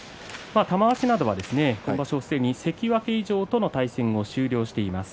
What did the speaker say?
玉鷲などは今場所すでに関脇以上との対戦が終了しています。